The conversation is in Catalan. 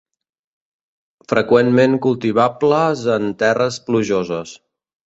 Freqüentment cultivables en terres plujoses.